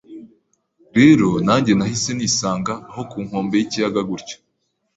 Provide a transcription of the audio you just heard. Rero nanjye nahise nisanga aho ku nkombe y’ikiyaga gutyo